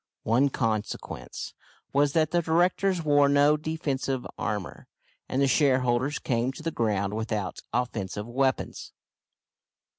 One consequence was, that the directors wore no defensive armour, and the shareholders came to the ground without offensive weapons.